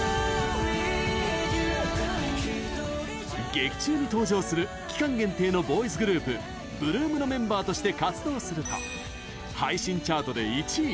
劇中に登場する期間限定のボーイズグループ８ＬＯＯＭのメンバーとして活動すると配信チャートで１位。